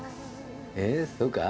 えそうか？